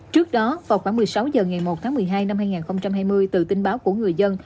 trước đó vào khoảng một mươi sáu h ngày một tháng một mươi hai năm hai nghìn hai mươi từ tin báo của người dân